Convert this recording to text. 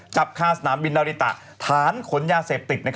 คาสนามบินนาริตะฐานขนยาเสพติด